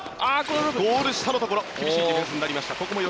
ゴール下のところ厳しいディフェンスになりました。